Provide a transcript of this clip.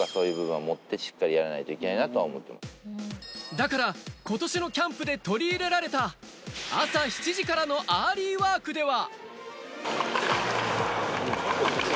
だから今年のキャンプで取り入れられた、朝７時からのアーリーワークでは。